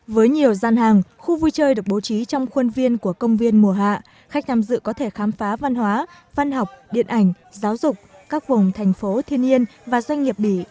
với nhiều gian hàng khu vui chơi được bố trí trong khuôn viên của công viên mùa hạ khách tham dự có thể khám phá văn hóa văn học điện ảnh giáo dục các vùng thành phố thiên nhiên và doanh nghiệp bỉ